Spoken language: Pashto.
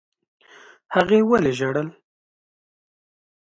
هغې ولي ژړل؟